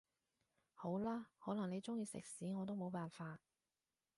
好啦，可能你鍾意食屎我都冇辦法